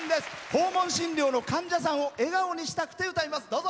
訪問診療の患者さんを笑顔にしたくて歌います。